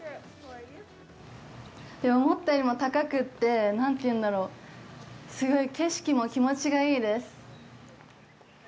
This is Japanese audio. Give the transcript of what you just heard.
思ったよりも高くて、何ていうんだろうすごい景色も気持ちがいいです。